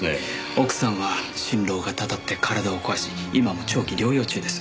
奥さんは心労がたたって体を壊し今も長期療養中です。